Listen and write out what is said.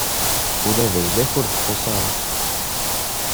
Ula d ayla-k ur txuṣṣ ara.